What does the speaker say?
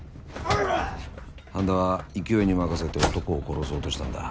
般田は勢いに任せて男を殺そうとしたんだ。